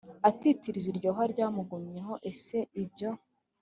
Atitiriza iryo hwa ryamugumyemo ese ibyo